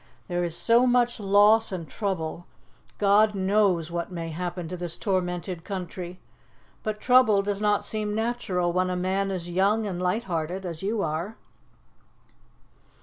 There is so much loss and trouble God knows what may happen to this tormented country! But trouble does not seem natural when a man is young and light hearted, as you are."